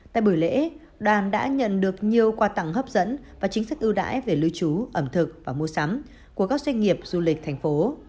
tại buổi lễ đoàn đã nhận được nhiều quà tặng hấp dẫn và chính sách ưu đãi về lưu trú ẩm thực và mua sắm của các doanh nghiệp du lịch thành phố